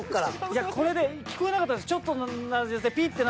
いやこれで聞こえなかったです。